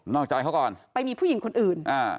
อกใจเขาก่อนไปมีผู้หญิงคนอื่นอ่า